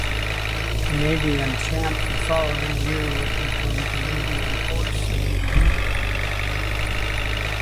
Canadian Champ the following year would become Canadian Horse of the Year.